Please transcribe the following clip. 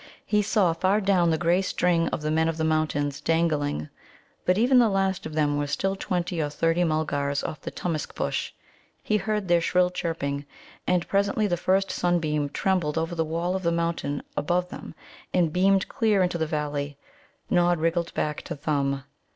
He saw far down the grey string of the Men of the Mountains dangling, but even the last of them was still twenty or thirty Mulgars off the Tummusc bush. He heard their shrill chirping. And presently the first sunbeam trembled over the wall of the mountain above them, and beamed clear into the valley. Nod wriggled back to Thumb.